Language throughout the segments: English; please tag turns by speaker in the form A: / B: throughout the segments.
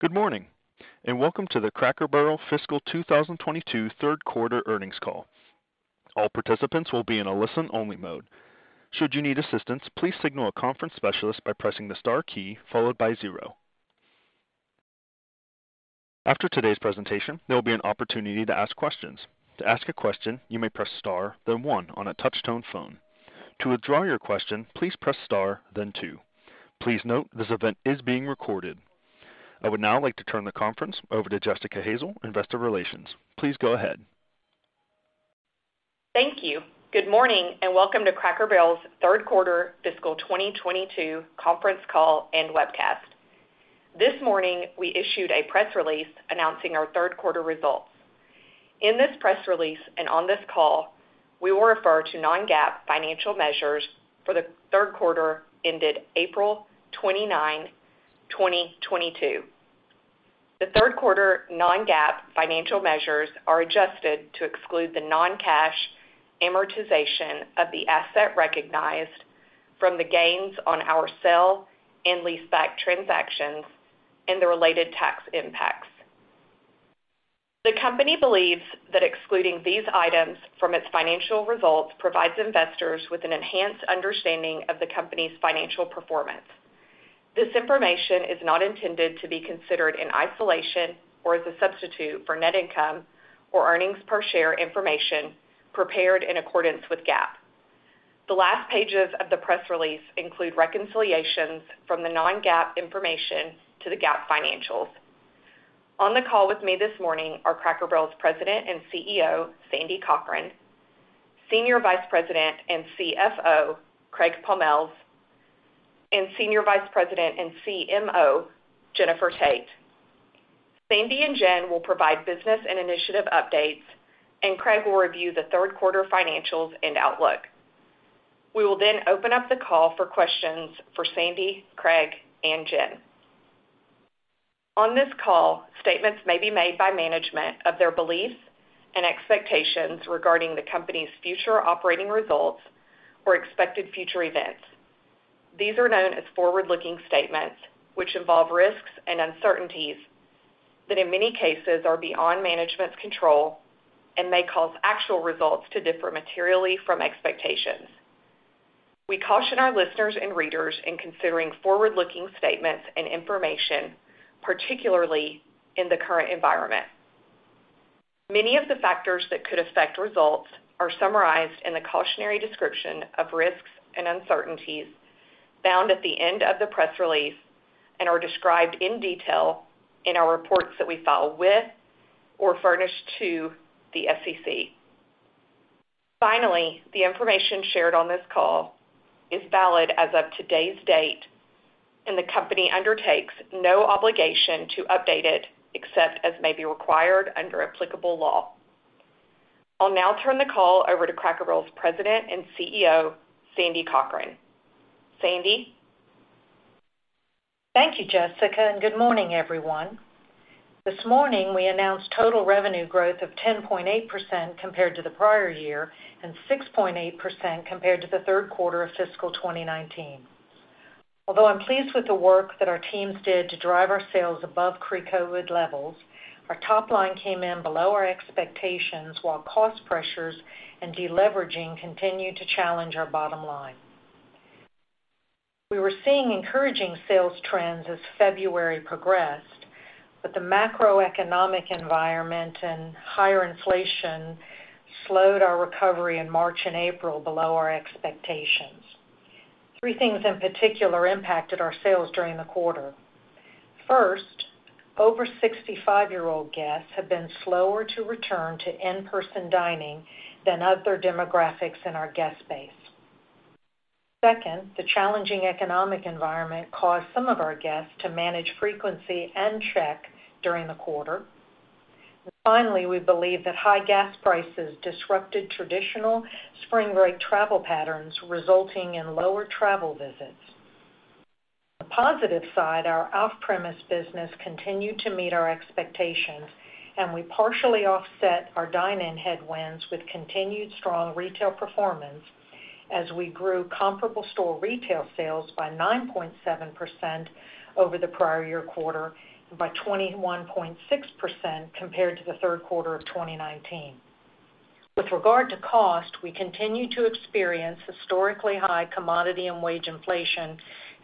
A: Good morning, and welcome to the Cracker Barrel Fiscal 2022 Third Quarter Earnings Call. All participants will be in a listen-only mode. Should you need assistance, please signal a conference specialist by pressing the star key followed by zero. After today's presentation, there'll be an opportunity to ask questions. To ask a question, you may press star, then one on a touch-tone phone. To withdraw your question, please press star then two. Please note, this event is being recorded. I would now like to turn the conference over to Jessica Hazel, Investor Relations. Please go ahead.
B: Thank you. Good morning, and welcome to Cracker Barrel's third quarter fiscal 2022 conference call and webcast. This morning, we issued a press release announcing our third quarter results. In this press release and on this call, we will refer to non-GAAP financial measures for the third quarter ended April 29, 2022. The third quarter non-GAAP financial measures are adjusted to exclude the non-cash amortization of the asset recognized from the gains on our sale and leaseback transactions and the related tax impacts. The company believes that excluding these items from its financial results provides investors with an enhanced understanding of the company's financial performance. This information is not intended to be considered in isolation or as a substitute for net income or earnings per share information prepared in accordance with GAAP. The last pages of the press release include reconciliations from the non-GAAP information to the GAAP financials. On the call with me this morning are Cracker Barrel's President and CEO, Sandy Cochran, Senior Vice President and CFO, Craig Pommells, and Senior Vice President and CMO, Jennifer Tate. Sandy and Jen will provide business and initiative updates, and Craig will review the third quarter financials and outlook. We will then open up the call for questions for Sandy, Craig, and Jen. On this call, statements may be made by management of their beliefs and expectations regarding the company's future operating results or expected future events. These are known as forward-looking statements, which involve risks and uncertainties that in many cases are beyond management's control and may cause actual results to differ materially from expectations. We caution our listeners and readers in considering forward-looking statements and information, particularly in the current environment. Many of the factors that could affect results are summarized in the cautionary description of risks and uncertainties found at the end of the press release and are described in detail in our reports that we file with or furnish to the SEC. Finally, the information shared on this call is valid as of today's date, and the company undertakes no obligation to update it except as may be required under applicable law. I'll now turn the call over to Cracker Barrel's President and CEO, Sandy Cochran. Sandy.
C: Thank you, Jessica, and good morning, everyone. This morning, we announced total revenue growth of 10.8% compared to the prior year and 6.8% compared to the third quarter of fiscal 2019. Although I'm pleased with the work that our teams did to drive our sales above pre-COVID levels, our top line came in below our expectations while cost pressures and deleveraging continued to challenge our bottom line. We were seeing encouraging sales trends as February progressed, but the macroeconomic environment and higher inflation slowed our recovery in March and April below our expectations. Three things in particular impacted our sales during the quarter. First, over 65-year-old guests have been slower to return to in-person dining than other demographics in our guest base. Second, the challenging economic environment caused some of our guests to manage frequency and check during the quarter. Finally, we believe that high gas prices disrupted traditional spring break travel patterns, resulting in lower travel visits. On the positive side, our off-premise business continued to meet our expectations, and we partially offset our dine-in headwinds with continued strong retail performance as we grew comparable store retail sales by 9.7% over the prior year quarter and by 21.6% compared to the third quarter of 2019. With regard to cost, we continue to experience historically high commodity and wage inflation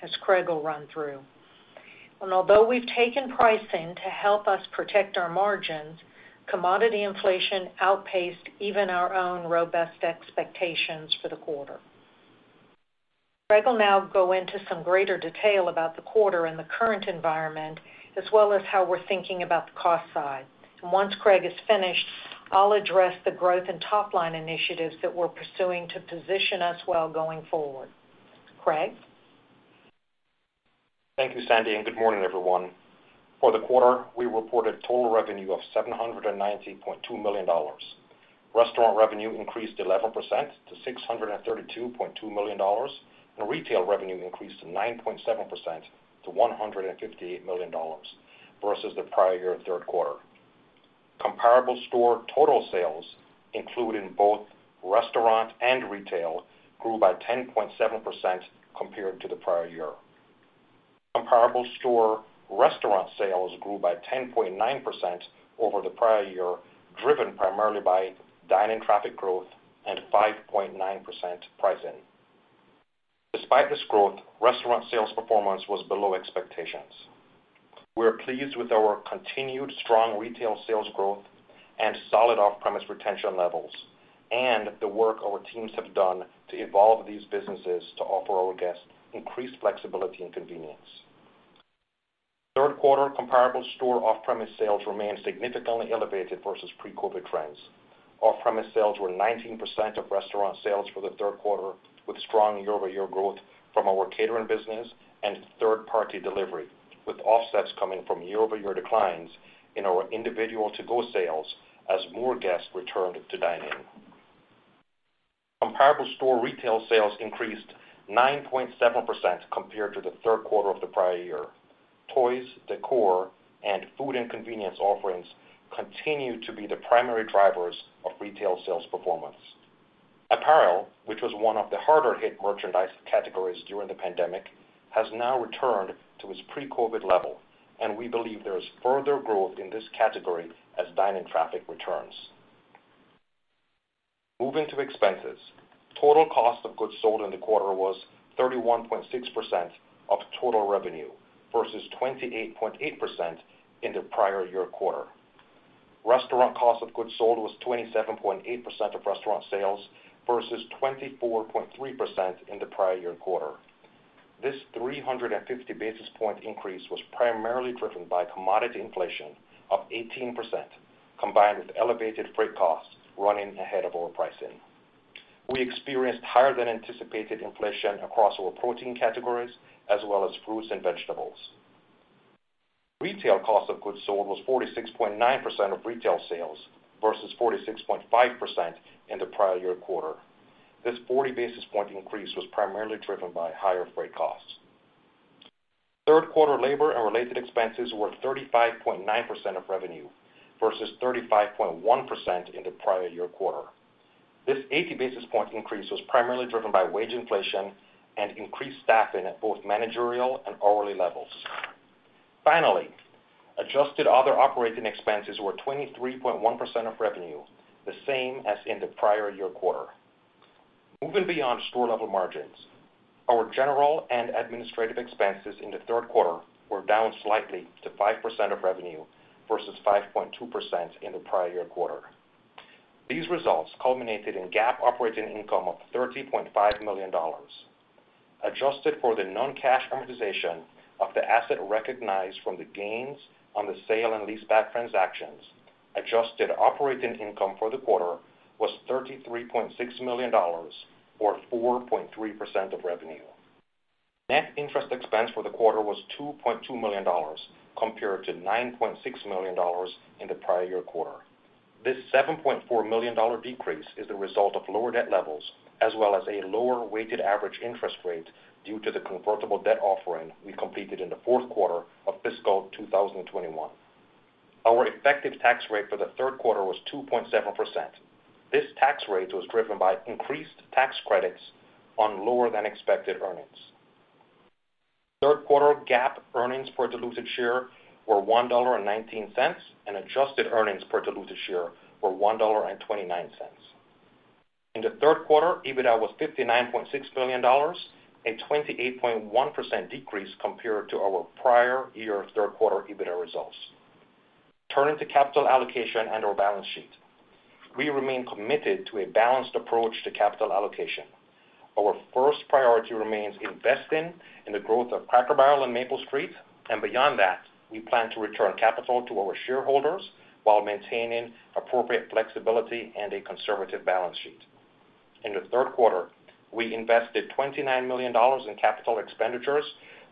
C: as Craig will run through. Although we've taken pricing to help us protect our margins, commodity inflation outpaced even our own robust expectations for the quarter. Craig will now go into some greater detail about the quarter and the current environment, as well as how we're thinking about the cost side. Once Craig is finished, I'll address the growth and top-line initiatives that we're pursuing to position us well going forward. Craig.
D: Thank you, Sandy, and good morning, everyone. For the quarter, we reported total revenue of $790.2 million. Restaurant revenue increased 11% to $632.2 million, and retail revenue increased 9.7% to $158 million versus the prior year third quarter. Comparable store total sales included in both restaurant and retail grew by 10.7% compared to the prior year. Comparable store restaurant sales grew by 10.9% over the prior year, driven primarily by dine-in traffic growth and 5.9% pricing. Despite this growth, restaurant sales performance was below expectations. We are pleased with our continued strong retail sales growth and solid off-premise retention levels, and the work our teams have done to evolve these businesses to offer our guests increased flexibility and convenience. Third quarter comparable store off-premise sales remained significantly elevated versus pre-COVID trends. Off-premise sales were 19% of restaurant sales for the third quarter, with strong year-over-year growth from our catering business and third-party delivery, with offsets coming from year-over-year declines in our individual to-go sales as more guests returned to dine in. Comparable store retail sales increased 9.7% compared to the third quarter of the prior year. Toys, decor, and food and convenience offerings continue to be the primary drivers of retail sales performance. Apparel, which was one of the harder hit merchandise categories during the pandemic, has now returned to its pre-COVID level, and we believe there is further growth in this category as dine-in traffic returns. Moving to expenses. Total cost of goods sold in the quarter was 31.6% of total revenue versus 28.8% in the prior year quarter. Restaurant cost of goods sold was 27.8% of restaurant sales versus 24.3% in the prior year quarter. This 350 basis point increase was primarily driven by commodity inflation of 18%, combined with elevated freight costs running ahead of our pricing. We experienced higher than anticipated inflation across our protein categories as well as fruits and vegetables. Retail cost of goods sold was 46.9% of retail sales versus 46.5% in the prior year quarter. This 40 basis point increase was primarily driven by higher freight costs. Third quarter labor and related expenses were 35.9% of revenue versus 35.1% in the prior year quarter. This 80 basis point increase was primarily driven by wage inflation and increased staffing at both managerial and hourly levels. Adjusted other operating expenses were 23.1% of revenue, the same as in the prior year quarter. Moving beyond store level margins, our general and administrative expenses in the third quarter were down slightly to 5% of revenue versus 5.2% in the prior year quarter. These results culminated in GAAP operating income of $30.5 Million. Adjusted for the non-cash amortization of the asset recognized from the gains on the sale and leaseback transactions, adjusted operating income for the quarter was $33.6 million or 4.3% of revenue. Net interest expense for the quarter was $2.2 million compared to $9.6 million in the prior year quarter. This $7.4 million decrease is the result of lower debt levels as well as a lower weighted average interest rate due to the convertible debt offering we completed in the fourth quarter of fiscal 2021. Our effective tax rate for the third quarter was 2.7%. This tax rate was driven by increased tax credits on lower than expected earnings. Third quarter GAAP earnings per diluted share were $1.19, and adjusted earnings per diluted share were $1.29. In the third quarter, EBITDA was $59.6 million, a 28.1% decrease compared to our prior year third quarter EBITDA results. Turning to capital allocation and our balance sheet. We remain committed to a balanced approach to capital allocation. Our first priority remains investing in the growth of Cracker Barrel and Maple Street, and beyond that, we plan to return capital to our shareholders while maintaining appropriate flexibility and a conservative balance sheet. In the third quarter, we invested $29 million in capital expenditures,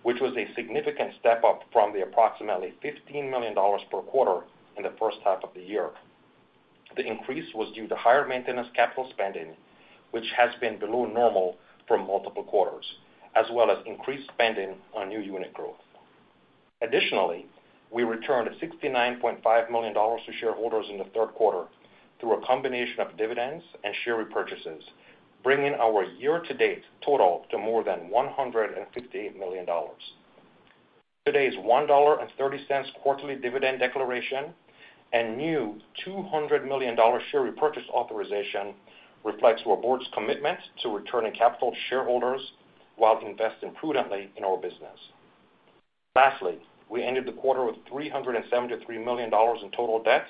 D: which was a significant step up from the approximately $15 million per quarter in the first half of the year. The increase was due to higher maintenance capital spending, which has been below normal for multiple quarters, as well as increased spending on new unit growth. Additionally, we returned $69.5 million to shareholders in the third quarter through a combination of dividends and share repurchases, bringing our year-to-date total to more than $158 million. Today's $1.30 quarterly dividend declaration and new $200 million share repurchase authorization reflects our board's commitment to returning capital to shareholders while investing prudently in our business. Lastly, we ended the quarter with $373 million in total debt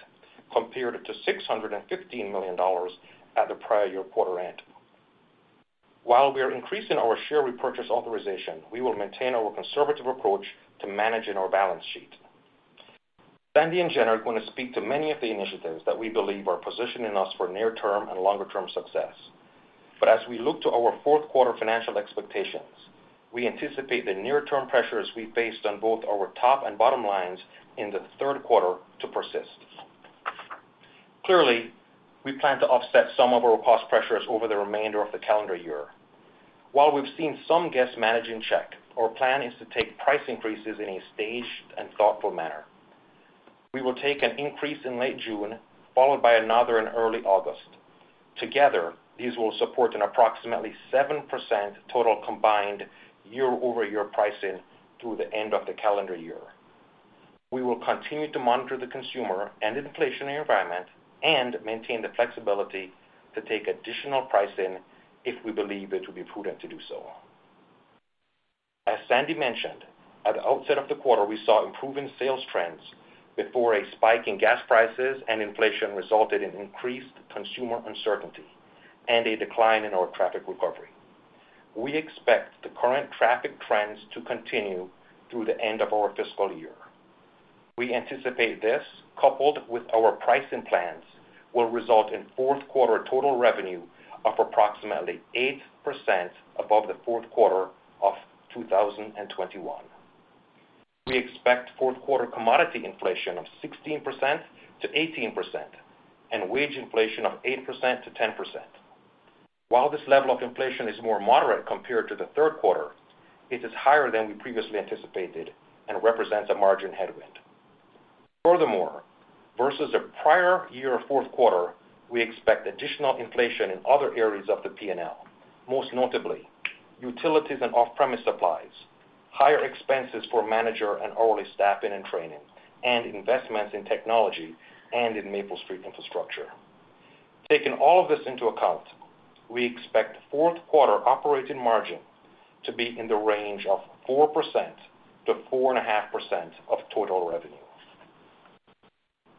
D: compared to $615 million at the prior year quarter end. While we are increasing our share repurchase authorization, we will maintain our conservative approach to managing our balance sheet. Sandy and Jen are going to speak to many of the initiatives that we believe are positioning us for near-term and longer-term success. As we look to our fourth quarter financial expectations, we anticipate the near-term pressures we faced on both our top and bottom lines in the third quarter to persist. Clearly, we plan to offset some of our cost pressures over the remainder of the calendar year. While we've seen some guests managing check, our plan is to take price increases in a staged and thoughtful manner. We will take an increase in late June, followed by another in early August. Together, these will support an approximately 7% total combined year-over-year pricing through the end of the calendar year. We will continue to monitor the consumer and the inflationary environment and maintain the flexibility to take additional pricing if we believe it to be prudent to do so. As Sandy mentioned, at the outset of the quarter, we saw improving sales trends before a spike in gas prices and inflation resulted in increased consumer uncertainty and a decline in our traffic recovery. We expect the current traffic trends to continue through the end of our fiscal year. We anticipate this, coupled with our pricing plans, will result in fourth quarter total revenue of approximately 8% above the fourth quarter of 2021. We expect fourth quarter commodity inflation of 16%-18% and wage inflation of 8%-10%. While this level of inflation is more moderate compared to the third quarter, it is higher than we previously anticipated and represents a margin headwind. Furthermore, versus a prior year fourth quarter, we expect additional inflation in other areas of the P&L, most notably, utilities and off-premise supplies, higher expenses for manager and hourly staffing and training, and investments in technology and in Maple Street infrastructure. Taking all of this into account, we expect fourth quarter operating margin to be in the range of 4%-4.5% of total revenue.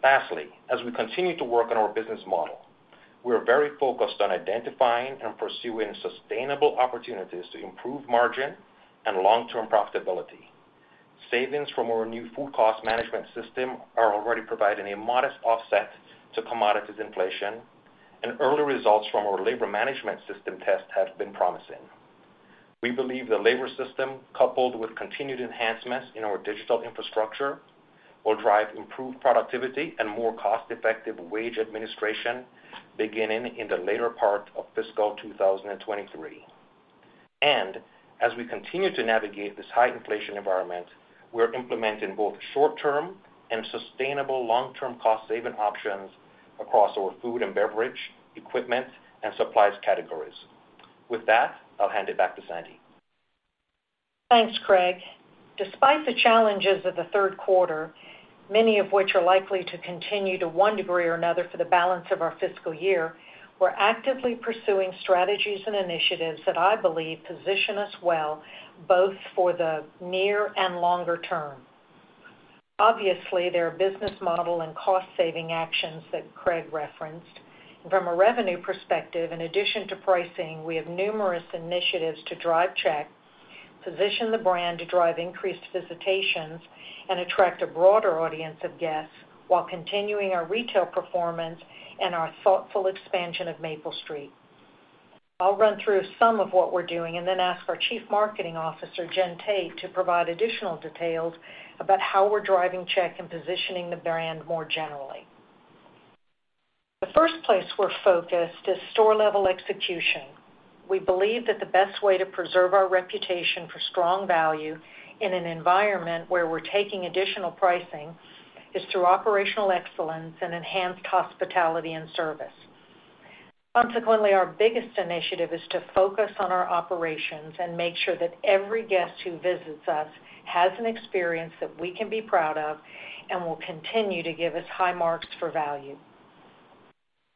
D: Lastly, as we continue to work on our business model, we are very focused on identifying and pursuing sustainable opportunities to improve margin and long-term profitability. Savings from our new food cost management system are already providing a modest offset to commodities inflation, and early results from our labor management system test have been promising. We believe the labor system, coupled with continued enhancements in our digital infrastructure, will drive improved productivity and more cost-effective wage administration beginning in the later part of fiscal 2023. As we continue to navigate this high inflation environment, we're implementing both short-term and sustainable long-term cost-saving options across our food and beverage, equipment, and supplies categories. With that, I'll hand it back to Sandy.
C: Thanks, Craig. Despite the challenges of the third quarter, many of which are likely to continue to one degree or another for the balance of our fiscal year, we're actively pursuing strategies and initiatives that I believe position us well, both for the near and longer term. Obviously, there are business model and cost-saving actions that Craig referenced. From a revenue perspective, in addition to pricing, we have numerous initiatives to drive check, position the brand to drive increased visitations, and attract a broader audience of guests while continuing our retail performance and our thoughtful expansion of Maple Street. I'll run through some of what we're doing and then ask our Chief Marketing Officer, Jen Tate, to provide additional details about how we're driving check and positioning the brand more generally. The first place we're focused is store-level execution. We believe that the best way to preserve our reputation for strong value in an environment where we're taking additional pricing is through operational excellence and enhanced hospitality and service. Consequently, our biggest initiative is to focus on our operations and make sure that every guest who visits us has an experience that we can be proud of and will continue to give us high marks for value.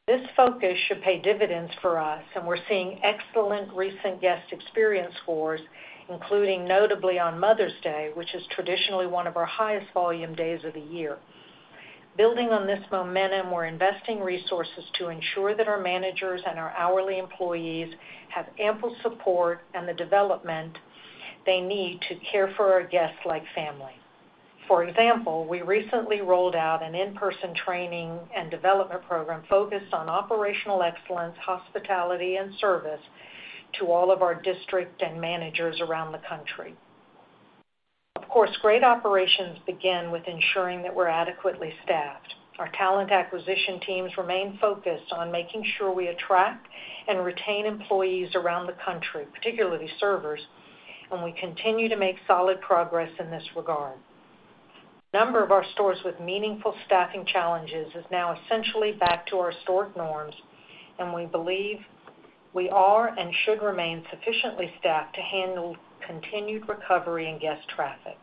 C: This focus should pay dividends for us, and we're seeing excellent recent guest experience scores, including notably on Mother's Day, which is traditionally one of our highest volume days of the year. Building on this momentum, we're investing resources to ensure that our managers and our hourly employees have ample support and the development they need to care for our guests like family. For example, we recently rolled out an in-person training and development program focused on operational excellence, hospitality, and service to all of our district and managers around the country. Of course, great operations begin with ensuring that we're adequately staffed. Our talent acquisition teams remain focused on making sure we attract and retain employees around the country, particularly servers, and we continue to make solid progress in this regard. The number of our stores with meaningful staffing challenges is now essentially back to our historic norms, and we believe we are and should remain sufficiently staffed to handle continued recovery in guest traffic.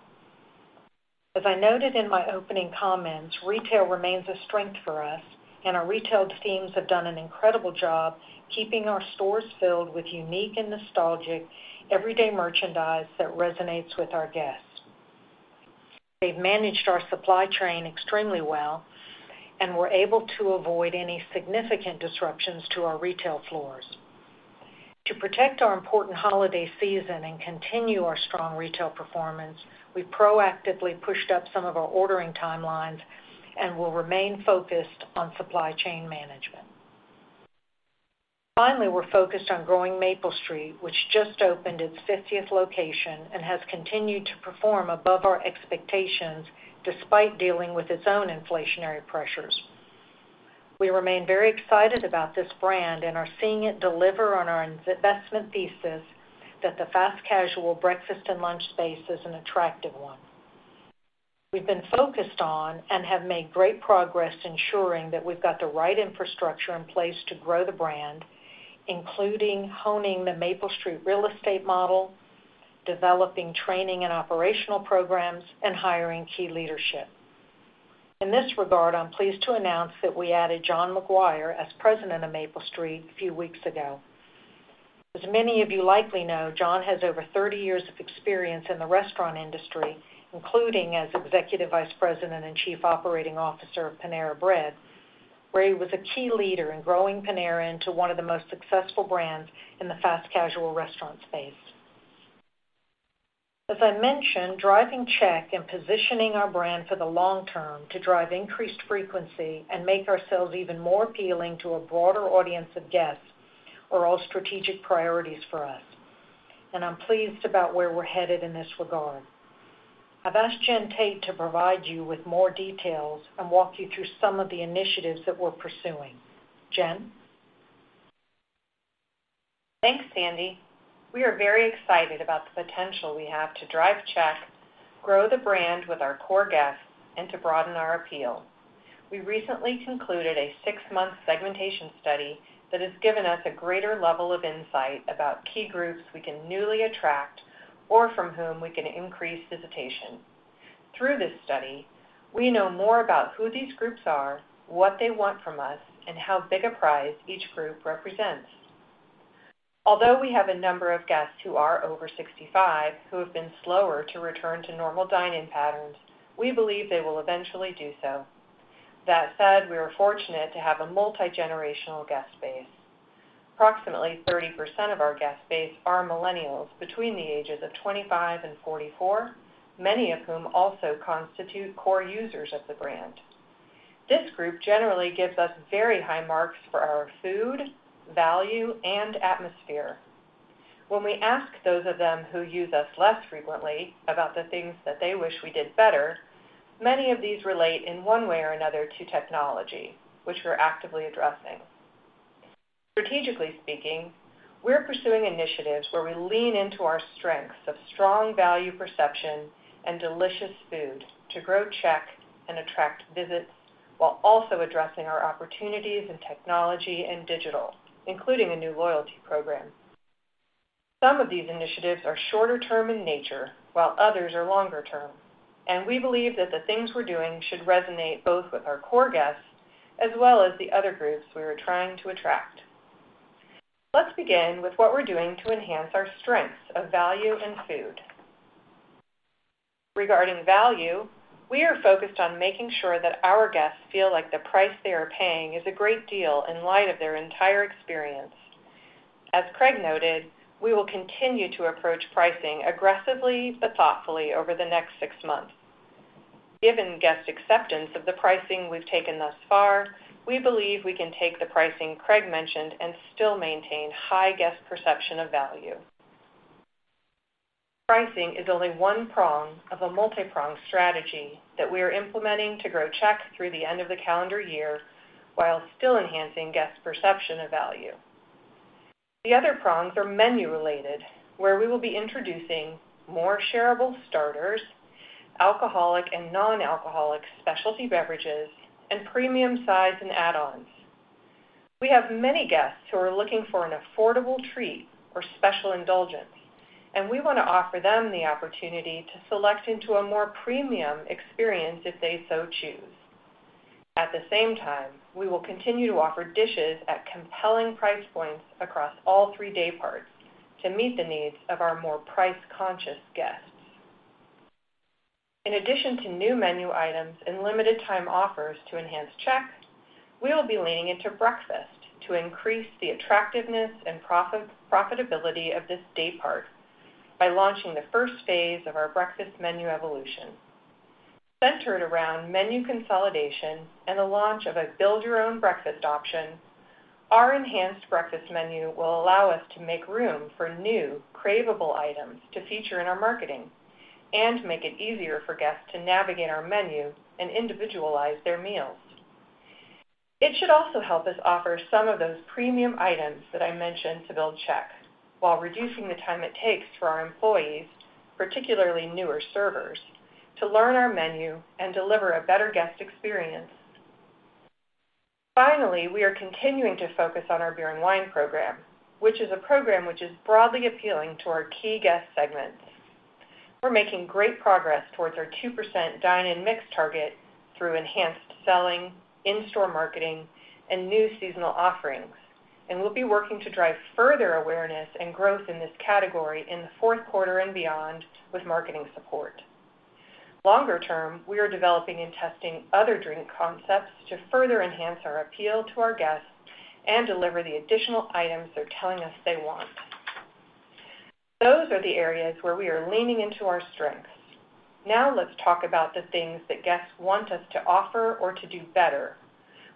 C: As I noted in my opening comments, retail remains a strength for us, and our retail teams have done an incredible job keeping our stores filled with unique and nostalgic everyday merchandise that resonates with our guests. They've managed our supply chain extremely well and were able to avoid any significant disruptions to our retail floors. To protect our important holiday season and continue our strong retail performance, we proactively pushed up some of our ordering timelines and will remain focused on supply chain management. Finally, we're focused on growing Maple Street, which just opened its 50th location and has continued to perform above our expectations despite dealing with its own inflationary pressures. We remain very excited about this brand and are seeing it deliver on our investment thesis that the fast casual breakfast and lunch space is an attractive one. We've been focused on and have made great progress ensuring that we've got the right infrastructure in place to grow the brand, including honing the Maple Street real estate model, developing training and operational programs, and hiring key leadership. In this regard, I'm pleased to announce that we added John Maguire as President of Maple Street a few weeks ago. As many of you likely know, John has over 30 years of experience in the restaurant industry, including as Executive Vice President and Chief Operating Officer of Panera Bread, where he was a key leader in growing Panera into one of the most successful brands in the fast casual restaurant space. As I mentioned, driving check and positioning our brand for the long term to drive increased frequency and make ourselves even more appealing to a broader audience of guests are all strategic priorities for us, and I'm pleased about where we're headed in this regard. I've asked Jen Tate to provide you with more details and walk you through some of the initiatives that we're pursuing. Jen?
E: Thanks, Sandy. We are very excited about the potential we have to drive check, grow the brand with our core guests, and to broaden our appeal. We recently concluded a six-month segmentation study that has given us a greater level of insight about key groups we can newly attract or from whom we can increase visitation. Through this study, we know more about who these groups are, what they want from us, and how big a prize each group represents. Although we have a number of guests who are over 65, who have been slower to return to normal dine-in patterns, we believe they will eventually do so. That said, we are fortunate to have a multigenerational guest base. Approximately 30% of our guest base are millennials between the ages of 25 and 44, many of whom also constitute core users of the brand. This group generally gives us very high marks for our food, value, and atmosphere. When we ask those of them who use us less frequently about the things that they wish we did better, many of these relate in one way or another to technology, which we're actively addressing. Strategically speaking, we're pursuing initiatives where we lean into our strengths of strong value perception and delicious food to grow check and attract visits while also addressing our opportunities in technology and digital, including a new loyalty program. Some of these initiatives are shorter term in nature while others are longer term, and we believe that the things we're doing should resonate both with our core guests as well as the other groups we are trying to attract. Let's begin with what we're doing to enhance our strengths of value and food. Regarding value, we are focused on making sure that our guests feel like the price they are paying is a great deal in light of their entire experience. As Craig noted, we will continue to approach pricing aggressively but thoughtfully over the next six months. Given guest acceptance of the pricing we've taken thus far, we believe we can take the pricing Craig mentioned and still maintain high guest perception of value. Pricing is only one prong of a multipronged strategy that we are implementing to grow checks through the end of the calendar year while still enhancing guests' perception of value. The other prongs are menu related, where we will be introducing more shareable starters, alcoholic and non-alcoholic specialty beverages, and premium size and add-ons. We have many guests who are looking for an affordable treat or special indulgence, and we want to offer them the opportunity to select into a more premium experience if they so choose. At the same time, we will continue to offer dishes at compelling price points across all three day parts to meet the needs of our more price conscious guests. In addition to new menu items and limited time offers to enhance check, we will be leaning into breakfast to increase the attractiveness and profitability of this day part by launching the first phase of our breakfast menu evolution. Centered around menu consolidation and the launch of a build your own breakfast option, our enhanced breakfast menu will allow us to make room for new cravable items to feature in our marketing and make it easier for guests to navigate our menu and individualize their meals. It should also help us offer some of those premium items that I mentioned to build check while reducing the time it takes for our employees, particularly newer servers, to learn our menu and deliver a better guest experience. Finally, we are continuing to focus on our beer and wine program, which is a program which is broadly appealing to our key guest segments. We're making great progress towards our 2% dine-in mix target through enhanced selling, in-store marketing and new seasonal offerings. We'll be working to drive further awareness and growth in this category in the fourth quarter and beyond with marketing support. Longer term, we are developing and testing other drink concepts to further enhance our appeal to our guests and deliver the additional items they're telling us they want. Those are the areas where we are leaning into our strengths. Now let's talk about the things that guests want us to offer or to do better,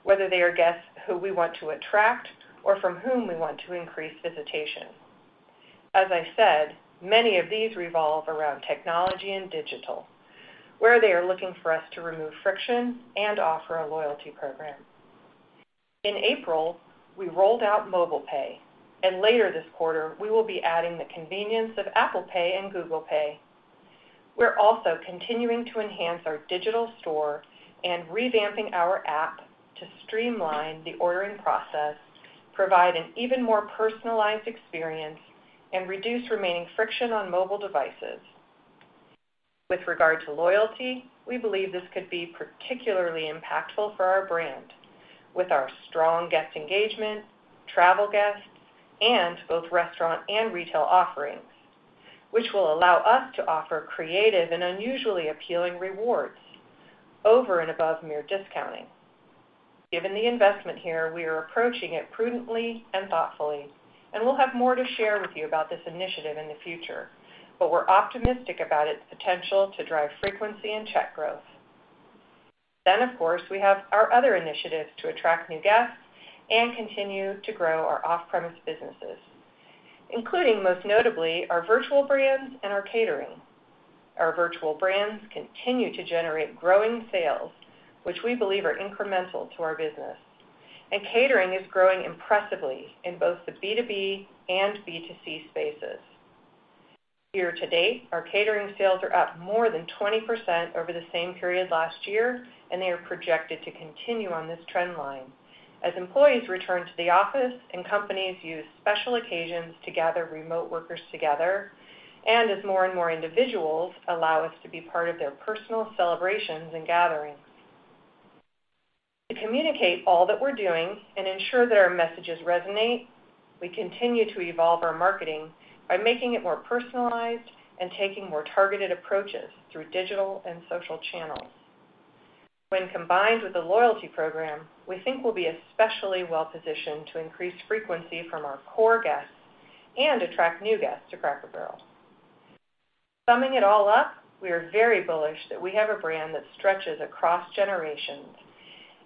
E: whether they are guests who we want to attract or from whom we want to increase visitation. As I said, many of these revolve around technology and digital, where they are looking for us to remove friction and offer a loyalty program. In April, we rolled out Mobile Pay, and later this quarter, we will be adding the convenience of Apple Pay and Google Pay. We're also continuing to enhance our digital store and revamping our app to streamline the ordering process, provide an even more personalized experience, and reduce remaining friction on mobile devices. With regard to loyalty, we believe this could be particularly impactful for our brand with our strong guest engagement, travel guests, and both restaurant and retail offerings, which will allow us to offer creative and unusually appealing rewards over and above mere discounting. Given the investment here, we are approaching it prudently and thoughtfully, and we'll have more to share with you about this initiative in the future, but we're optimistic about its potential to drive frequency and check growth. Of course, we have our other initiatives to attract new guests and continue to grow our off-premise businesses, including most notably our virtual brands and our catering. Our virtual brands continue to generate growing sales, which we believe are incremental to our business. Catering is growing impressively in both the B2B and B2C spaces. Year-to-date, our catering sales are up more than 20% over the same period last year, and they are projected to continue on this trend line as employees return to the office and companies use special occasions to gather remote workers together and as more and more individuals allow us to be part of their personal celebrations and gatherings. To communicate all that we're doing and ensure that our messages resonate, we continue to evolve our marketing by making it more personalized and taking more targeted approaches through digital and social channels. When combined with a loyalty program, we think we'll be especially well positioned to increase frequency from our core guests and attract new guests to Cracker Barrel. Summing it all up, we are very bullish that we have a brand that stretches across generations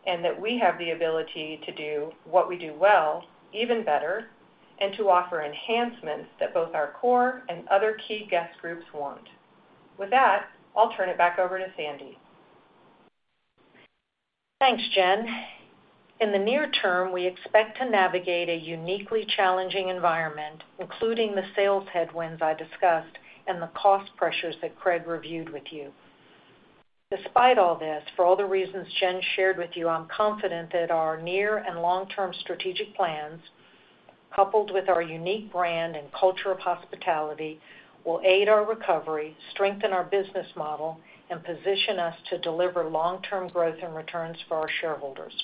E: and that we have the ability to do what we do well even better and to offer enhancements that both our core and other key guest groups want. With that, I'll turn it back over to Sandy.
C: Thanks, Jen. In the near term, we expect to navigate a uniquely challenging environment, including the sales headwinds I discussed and the cost pressures that Craig reviewed with you. Despite all this, for all the reasons Jen shared with you, I'm confident that our near and long-term strategic plans, coupled with our unique brand and culture of hospitality, will aid our recovery, strengthen our business model, and position us to deliver long-term growth and returns for our shareholders.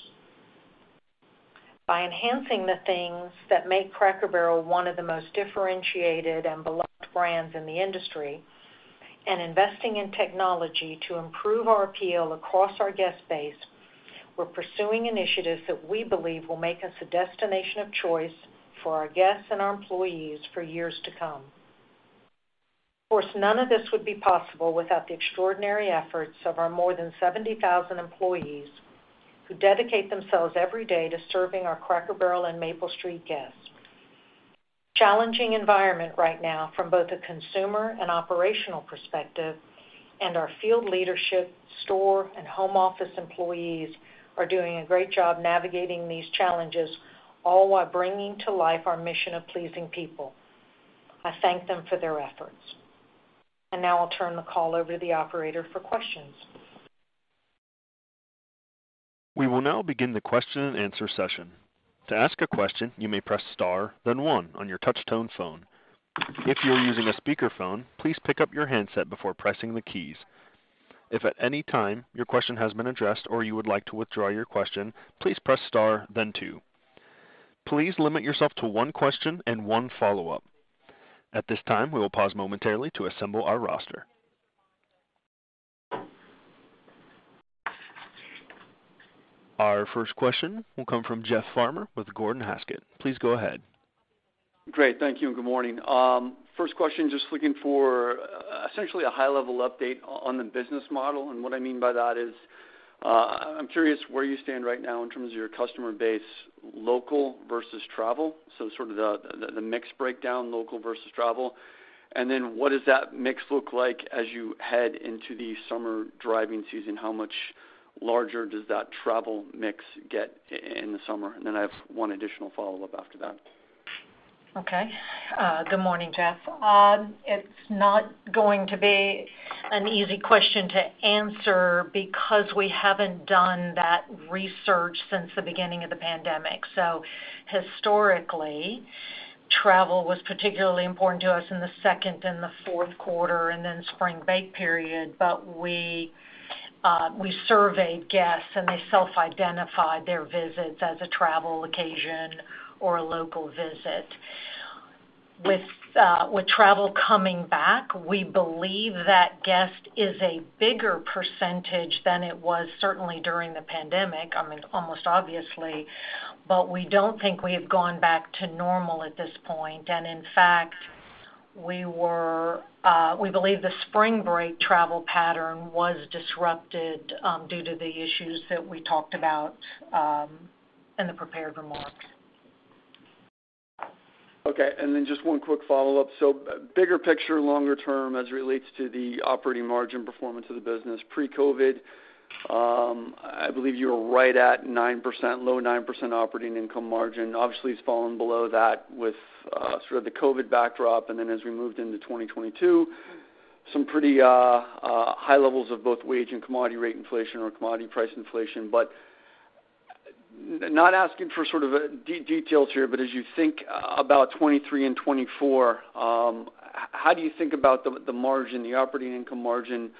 C: By enhancing the things that make Cracker Barrel one of the most differentiated and beloved brands in the industry and investing in technology to improve our appeal across our guest base, we're pursuing initiatives that we believe will make us a destination of choice for our guests and our employees for years to come. Of course, none of this would be possible without the extraordinary efforts of our more than 70,000 employees who dedicate themselves every day to serving our Cracker Barrel and Maple Street guests. Challenging environment right now from both a consumer and operational perspective, and our field leadership, store, and home office employees are doing a great job navigating these challenges, all while bringing to life our mission of pleasing people. I thank them for their efforts. Now I'll turn the call over to the operator for questions.
A: We will now begin the question-and-answer session. To ask a question, you may press star, then one on your touch-tone phone. If you are using a speakerphone, please pick up your handset before pressing the keys. If at any time your question has been addressed or you would like to withdraw your question, please press star then two. Please limit yourself to one question and one follow-up. At this time, we will pause momentarily to assemble our roster. Our first question will come from Jeff Farmer with Gordon Haskett. Please go ahead.
F: Great. Thank you and good morning. First question, just looking for essentially a high-level update on the business model. What I mean by that is, I'm curious where you stand right now in terms of your customer base, local versus travel. So sort of the mix breakdown, local versus travel. What does that mix look like as you head into the summer driving season? How much larger does that travel mix get in the summer? I have one additional follow-up after that.
C: Okay. Good morning, Jeff. It's not going to be an easy question to answer because we haven't done that research since the beginning of the pandemic. Historically, travel was particularly important to us in the second and the fourth quarter and then spring break period. We surveyed guests, and they self-identified their visits as a travel occasion or a local visit. With travel coming back, we believe that guest is a bigger percentage than it was certainly during the pandemic, I mean, almost obviously. We don't think we have gone back to normal at this point. In fact, we believe the spring break travel pattern was disrupted due to the issues that we talked about in the prepared remarks.
F: Okay. Then just one quick follow-up. Bigger picture, longer term as it relates to the operating margin performance of the business pre-COVID, I believe you were right at 9%, low 9% operating income margin. Obviously, it's fallen below that with sort of the COVID backdrop. Then as we moved into 2022, some pretty high levels of both wage and commodity rate inflation or commodity price inflation. Not asking for sort of details here, but as you think about 2023 and 2024, how do you think about the margin, the operating income margin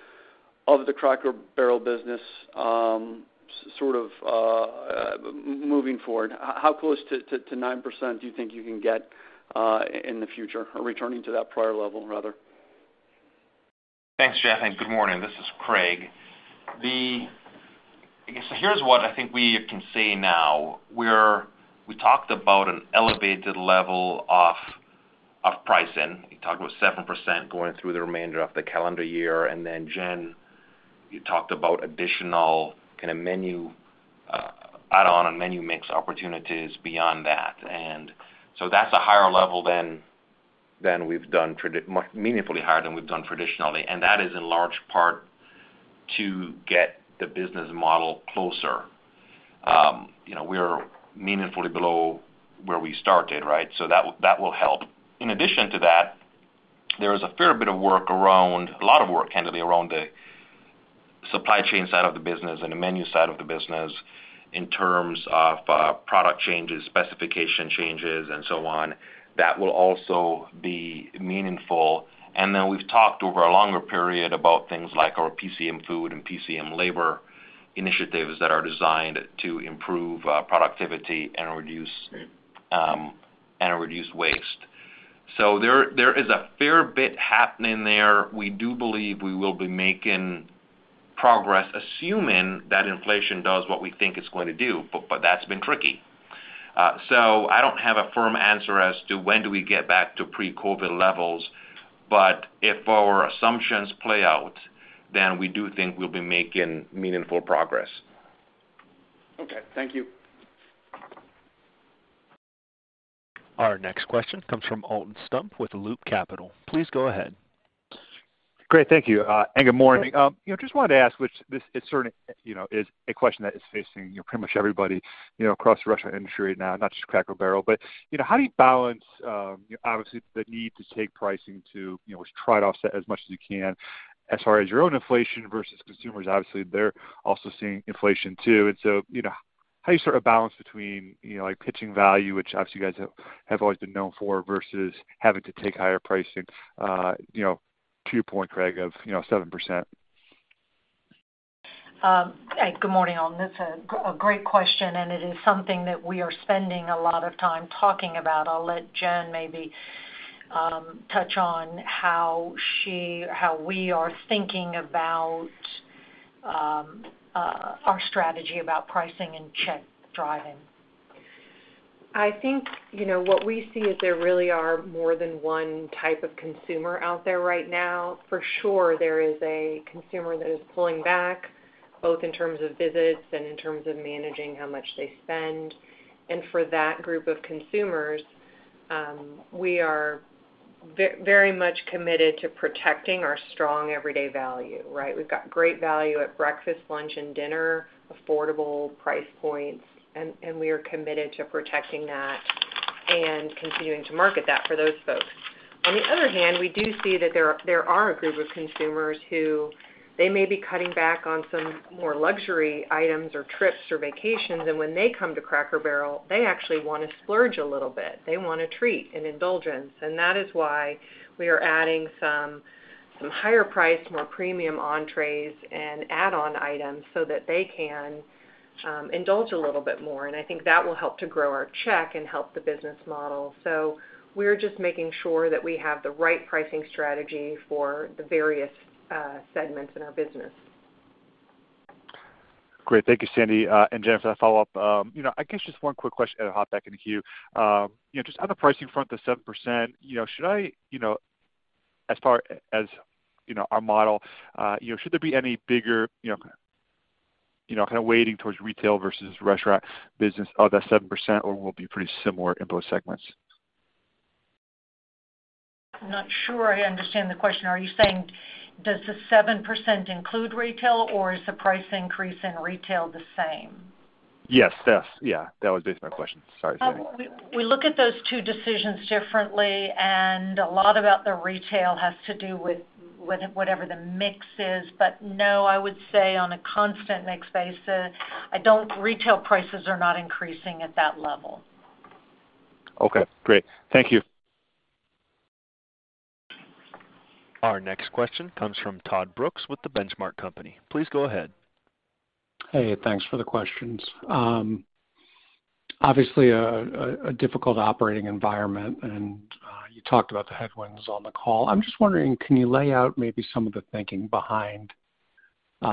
F: of the Cracker Barrel business, sort of moving forward? How close to 9% do you think you can get in the future or returning to that prior level rather?
D: Thanks, Jeff, and good morning. This is Craig. Here's what I think we can say now. We talked about an elevated level of pricing. We talked about 7% going through the remainder of the calendar year. Jen, you talked about additional kind of menu add-on and menu mix opportunities beyond that. That's a higher level than we've done meaningfully higher than we've done traditionally, and that is in large part to get the business model closer. You know, we are meaningfully below where we started, right? That will help. In addition to that, there is a fair bit of work around, a lot of work, candidly, around the supply chain side of the business and the menu side of the business in terms of product changes, specification changes, and so on. That will also be meaningful. Then we've talked over a longer period about things like our PCM food and PCM labor initiatives that are designed to improve productivity and reduce waste. There is a fair bit happening there. We do believe we will be making progress, assuming that inflation does what we think it's going to do, but that's been tricky. I don't have a firm answer as to when do we get back to pre-COVID levels, but if our assumptions play out, then we do think we'll be making meaningful progress.
F: Okay, thank you.
A: Our next question comes from Alton Stump with Loop Capital. Please go ahead.
G: Great, thank you. Good morning. You know, just wanted to ask which this is certainly, you know, is a question that is facing, you know, pretty much everybody, you know, across the restaurant industry right now, not just Cracker Barrel. You know, how do you balance, obviously the need to take pricing to, you know, try to offset as much as you can as far as your own inflation versus consumers? Obviously, they're also seeing inflation too. You know, how do you sort of balance between, you know, like, pitching value, which obviously you guys have always been known for, versus having to take higher pricing, you know, to your point, Craig, of, you know, 7%?
C: Good morning, Alton. That's a great question, and it is something that we are spending a lot of time talking about. I'll let Jen maybe touch on how we are thinking about our strategy about pricing and check driving.
E: I think, you know what we see is there really are more than one type of consumer out there right now. For sure, there is a consumer that is pulling back, both in terms of visits and in terms of managing how much they spend. For that group of consumers, we are very much committed to protecting our strong everyday value, right? We've got great value at breakfast, lunch, and dinner, affordable price points, and we are committed to protecting that and continuing to market that for those folks. On the other hand, we do see that there are a group of consumers who they may be cutting back on some more luxury items or trips or vacations, and when they come to Cracker Barrel, they actually wanna splurge a little bit. They want a treat, an indulgence. That is why we are adding some higher priced, more premium entrees and add-on items so that they can indulge a little bit more. I think that will help to grow our check and help the business model. We're just making sure that we have the right pricing strategy for the various segments in our business.
G: Great. Thank you, Sandy. Jen, for the follow-up. You know, I guess just one quick question and I'll hop back in the queue. You know, just on the pricing front, the 7%, you know, should I, you know, as far as, you know, our model, you know, should there be any bigger, you know, you know, kind of weighting towards retail versus restaurant business of that 7%, or will it be pretty similar in both segments?
C: Not sure I understand the question. Are you saying does the 7% include retail, or is the price increase in retail the same?
G: Yes. Yeah, that was basically my question. Sorry.
C: We look at those two decisions differently, and a lot about the retail has to do with whatever the mix is. No, I would say on a constant mix basis, retail prices are not increasing at that level.
G: Okay, great. Thank you.
A: Our next question comes from Todd Brooks with the Benchmark Company. Please go ahead.
H: Hey, thanks for the questions. Obviously a difficult operating environment, and you talked about the headwinds on the call. I'm just wondering, can you lay out maybe some of the thinking behind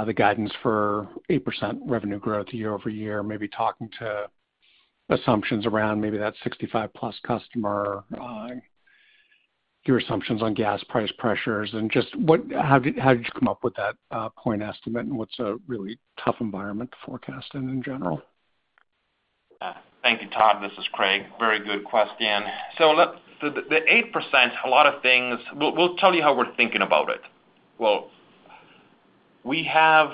H: the guidance for 8% revenue growth year-over-year, maybe talking to assumptions around maybe that 65+ customer, your assumptions on gas price pressures and just what, how did you come up with that point estimate, and what's a really tough environment to forecast in general?
D: Yeah. Thank you, Todd. This is Craig. Very good question. The 8%, a lot of things. We'll tell you how we're thinking about it. Well, we have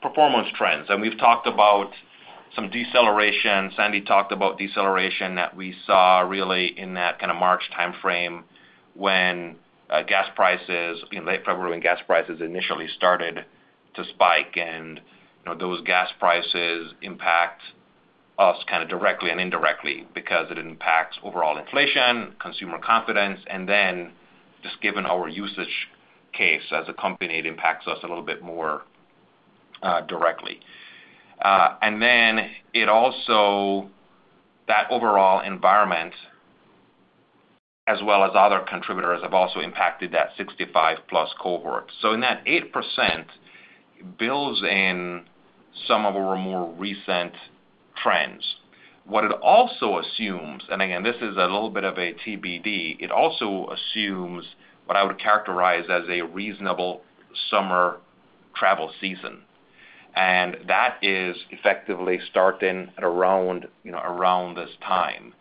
D: performance trends, and we've talked about some deceleration. Sandy talked about deceleration that we saw really in that kind of March timeframe when gas prices in late February initially started to spike. You know, those gas prices impact us kind of directly and indirectly because it impacts overall inflation, consumer confidence, and then just given our use case as a company, it impacts us a little bit more directly. Then it also, that overall environment as well as other contributors have also impacted that 65+ cohort. In that 8% builds in some of our more recent trends. What it also assumes, and again, this is a little bit of a TBD, it also assumes what I would characterize as a reasonable summer travel season. That is effectively starting at around, you know, around this time.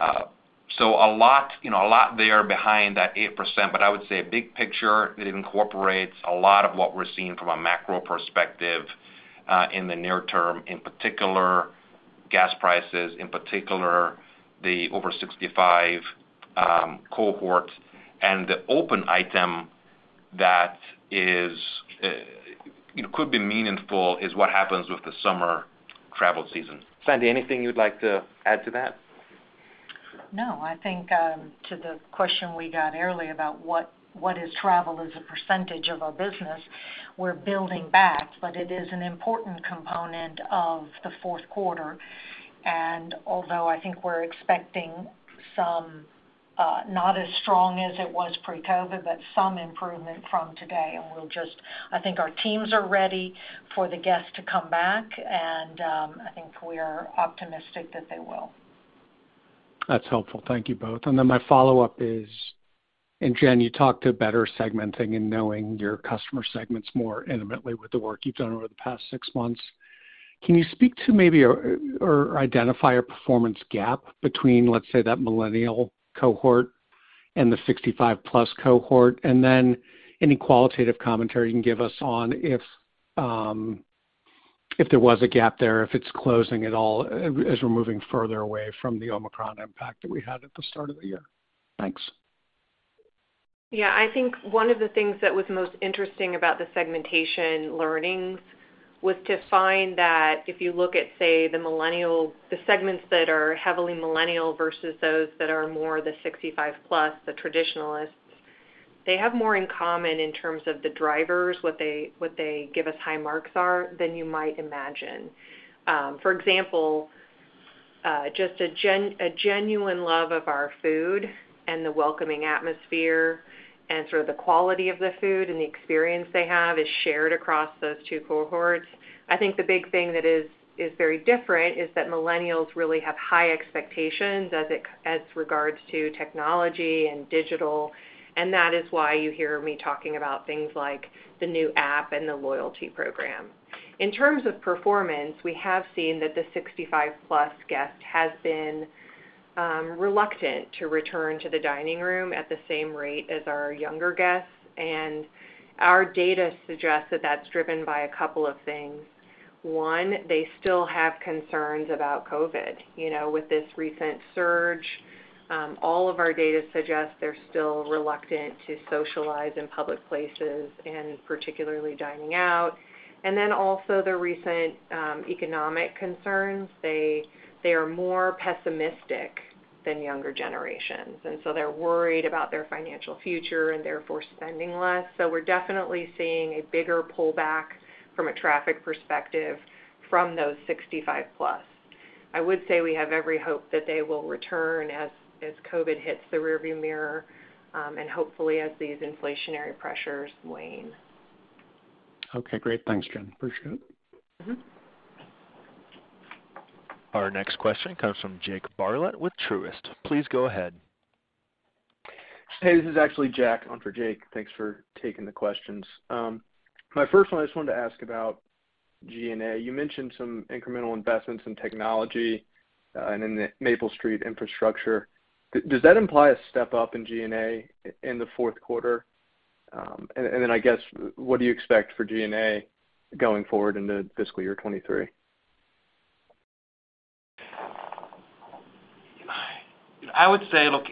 D: A lot, you know, a lot there behind that 8%, but I would say a big picture, it incorporates a lot of what we're seeing from a macro perspective, in the near term, in particular gas prices, in particular the over 65 cohort. The open item that is, you know, could be meaningful is what happens with the summer travel season. Sandy, anything you'd like to add to that?
C: No. I think to the question we got earlier about what is travel as a percentage of our business, we're building back, but it is an important component of the fourth quarter. Although I think we're expecting some not as strong as it was pre-COVID, but some improvement from today. I think our teams are ready for the guests to come back and I think we are optimistic that they will.
H: That's helpful. Thank you both. My follow-up is, and Jen, you talked to better segmenting and knowing your customer segments more intimately with the work you've done over the past six months. Can you speak to maybe or identify a performance gap between, let's say, that millennial cohort and the 65+ cohort, and then any qualitative commentary you can give us on if there was a gap there, if it's closing at all as we're moving further away from the Omicron impact that we had at the start of the year? Thanks.
E: Yeah. I think one of the things that was most interesting about the segmentation learnings was to find that if you look at, say, the millennial, the segments that are heavily millennial versus those that are more the 65+, the traditionalists, they have more in common in terms of the drivers, what they give us high marks are, than you might imagine. For example, just a genuine love of our food and the welcoming atmosphere and sort of the quality of the food and the experience they have is shared across those two cohorts. I think the big thing that is very different is that millennials really have high expectations as regards to technology and digital, and that is why you hear me talking about things like the new app and the loyalty program. In terms of performance, we have seen that the 65+ guest has been reluctant to return to the dining room at the same rate as our younger guests. Our data suggests that that's driven by a couple of things. One, they still have concerns about COVID. You know, with this recent surge, all of our data suggests they're still reluctant to socialize in public places and particularly dining out. Also the recent economic concerns. They are more pessimistic than younger generations, and so they're worried about their financial future and therefore spending less. We're definitely seeing a bigger pullback from a traffic perspective from those 65+. I would say we have every hope that they will return as COVID hits the rearview mirror, and hopefully as these inflationary pressures wane.
H: Okay, great. Thanks, Jen. Appreciate it.
E: Mm-hmm.
A: Our next question comes from Jake Bartlett with Truist. Please go ahead.
I: Hey, this is actually Jack on for Jake. Thanks for taking the questions. My first one, I just wanted to ask about G&A. You mentioned some incremental investments in technology and in the Maple Street infrastructure. Does that imply a step up in G&A in the fourth quarter? Then, what do you expect for G&A going forward into fiscal year 2023?
D: I would say, look,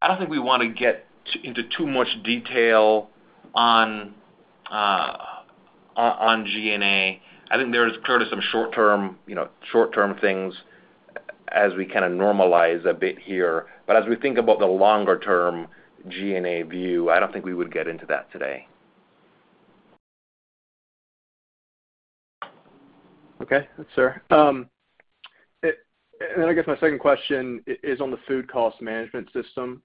D: I don't think we wanna get into too much detail on G&A. I think there's clearly some short-term, you know, short-term things as we kinda normalize a bit here. As we think about the longer-term G&A view, I don't think we would get into that today.
I: Okay. That's fair. I guess my second question is on the food cost management system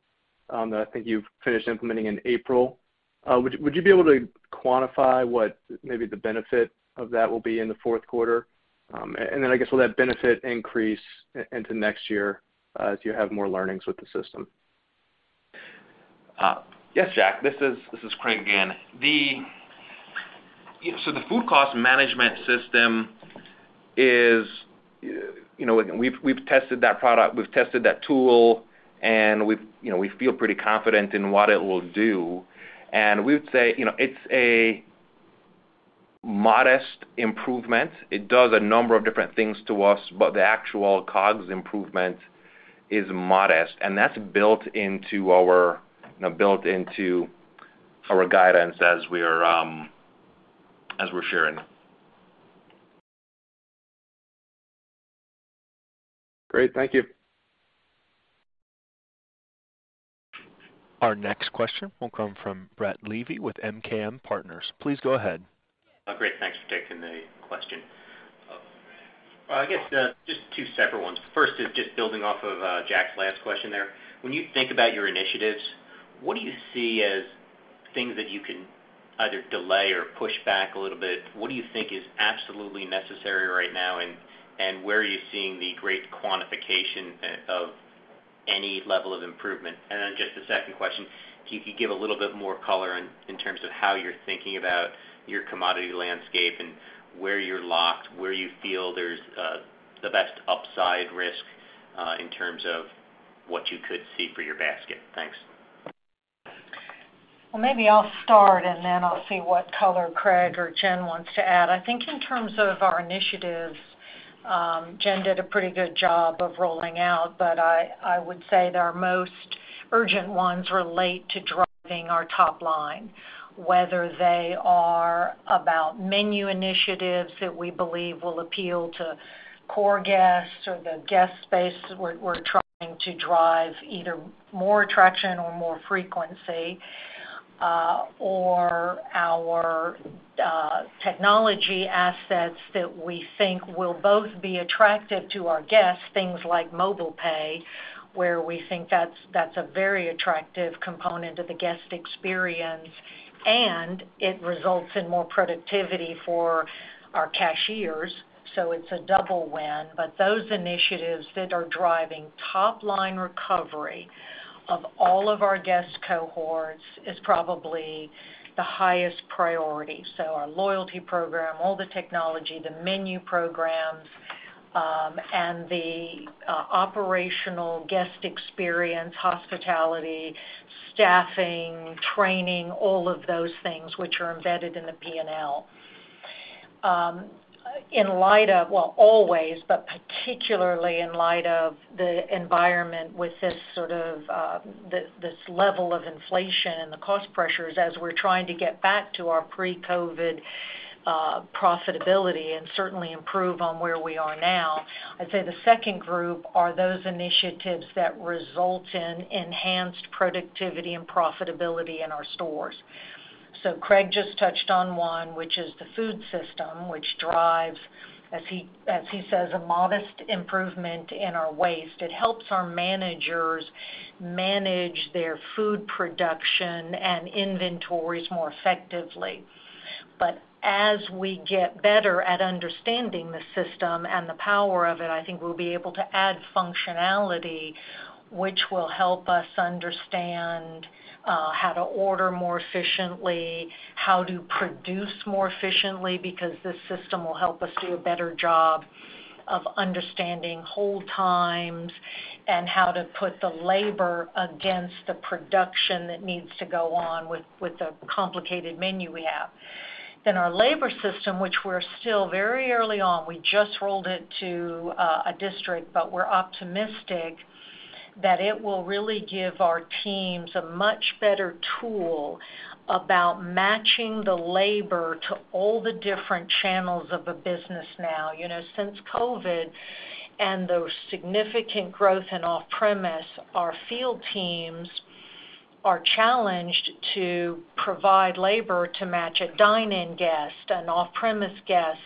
I: that I think you've finished implementing in April. Would you be able to quantify what maybe the benefit of that will be in the fourth quarter? I guess will that benefit increase into next year, as you have more learnings with the system?
D: Yes, Jake. This is Craig again. The food cost management system is, you know, we've tested that product, we've tested that tool, and we've, you know, we feel pretty confident in what it will do. We would say, you know, it's a modest improvement. It does a number of different things to us, but the actual COGS improvement is modest, and that's built into our guidance as we're sharing.
I: Great. Thank you.
A: Our next question will come from Brett Levy with MKM Partners. Please go ahead.
J: Great. Thanks for taking the question. I guess just two separate ones. First is just building off of Jack's last question there. When you think about your initiatives, what do you see as things that you can either delay or push back a little bit? What do you think is absolutely necessary right now, and where are you seeing the great quantification of any level of improvement? Just a second question, can you give a little bit more color in terms of how you're thinking about your commodity landscape and where you're locked, where you feel there's the best upside risk in terms of what you could see for your basket? Thanks.
C: Well, maybe I'll start, and then I'll see what color Craig or Jen wants to add. I think in terms of our initiatives, Jen did a pretty good job of rolling out, but I would say that our most urgent ones relate to driving our top line, whether they are about menu initiatives that we believe will appeal to core guests or the guest base we're trying to drive either more attraction or more frequency, or our technology assets that we think will both be attractive to our guests, things like Mobile Pay, where we think that's a very attractive component of the guest experience, and it results in more productivity for our cashiers. So it's a double win. Those initiatives that are driving top line recovery of all of our guest cohorts is probably the highest priority. Our loyalty program, all the technology, the menu programs, and the operational guest experience, hospitality, staffing, training, all of those things which are embedded in the P&L. In light of well, always, but particularly in light of the environment with this sort of this level of inflation and the cost pressures as we're trying to get back to our pre-COVID profitability and certainly improve on where we are now, I'd say the second group are those initiatives that result in enhanced productivity and profitability in our stores. Craig just touched on one, which is the food system, which drives, as he says, a modest improvement in our waste. It helps our managers manage their food production and inventories more effectively. As we get better at understanding the system and the power of it, I think we'll be able to add functionality which will help us understand how to order more efficiently, how to produce more efficiently, because this system will help us do a better job of understanding hold times and how to put the labor against the production that needs to go on with the complicated menu we have. Our labor system, which we're still very early on, we just rolled it to a district, but we're optimistic that it will really give our teams a much better tool about matching the labor to all the different channels of the business now. You know, since COVID and the significant growth in off-premise, our field teams are challenged to provide labor to match a dine-in guest, an off-premise guest